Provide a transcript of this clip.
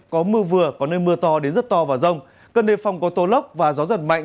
có mưa vừa có nơi mưa to đến rất to và rông cơn đêm phong có tô lốc và gió giật mạnh